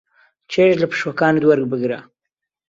چێژ لە پشووەکانت وەربگرە.